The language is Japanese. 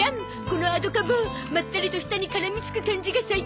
このアドカボまったりと舌に絡みつく感じが最高だゾ。